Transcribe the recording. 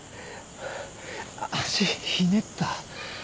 足ひねった？